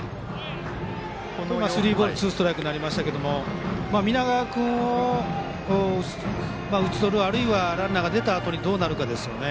今もスリーボールツーストライクになりましたが南川君を打ち取るあるいはランナーが出たあとにどうなるかですね。